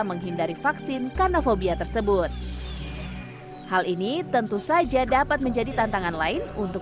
menghindari vaksin karena fobia tersebut hal ini tentu saja dapat menjadi tantangan lain untuk